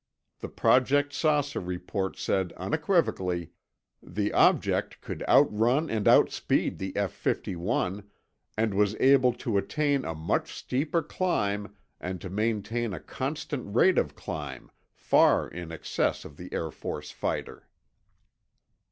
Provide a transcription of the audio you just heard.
The Project "Saucer" report said unequivocally: "The object could outturn and outspeed the F 51, and was able to attain a much steeper climb and to maintain a constant rate of climb far in excess of the Air Force fighter."